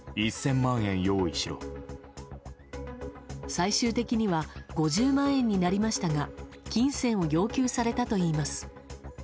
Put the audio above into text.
最終的には５０万円になりましたが金銭を要求されたといいます。